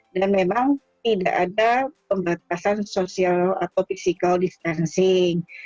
dan memang tidak ada pembatasan sosial atau physical distancing